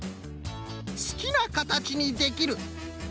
「すきなかたちにできる」。